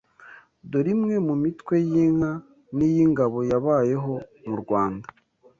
Dore imwe mu mitwe y’inka n’iy’ingabo yabayeho mu Rwanda